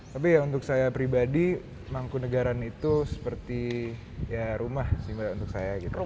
tapi ya untuk saya pribadi mangkunagaran itu seperti rumah untuk saya